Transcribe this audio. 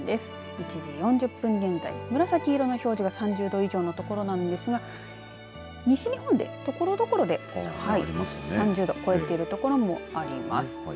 １時４０分現在、紫色の表示が３０度以上の所なんですが西日本でところどころで３０度超えている所もあります。